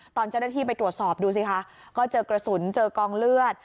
ตอนเจ้าหน้าที่ไปตรวจสอบดูสิคะก็เจอกระสุนเจอกองเลือด